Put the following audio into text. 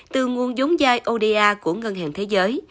từ nguồn giống dai oda của ngân hàng thế giới